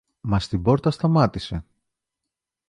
Μα στην πόρτα σταμάτησε.